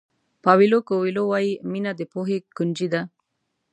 پاویلو کویلو وایي مینه د پوهې کونجۍ ده.